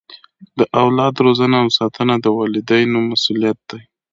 د اولاد روزنه او ساتنه د والدینو مسؤلیت دی.